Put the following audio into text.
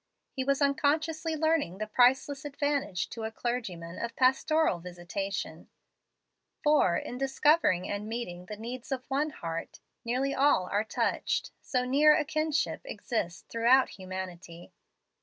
He was unconsciously learning the priceless advantage to a clergyman of pastoral visitation; for, in discovering and meeting the needs of one heart, nearly all are touched, so near a kinship exists throughout humanity.